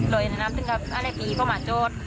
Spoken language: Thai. รวยอยู่ในน้ำซึ่งก็อะไรปีเขามาโจทย์